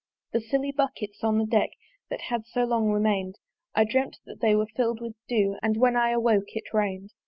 The silly buckets on the deck That had so long remain'd, I dreamt that they were fill'd with dew And when I awoke it rain'd.